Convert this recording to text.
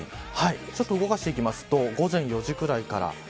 ちょっと動かしていきますと午前４時くらいから。